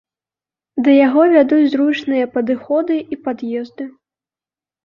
Да яго вядуць зручныя падыходы і пад'езды.